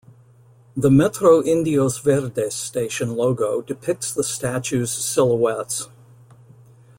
The Metro Indios Verdes station logo depicts the statues' silhouettes.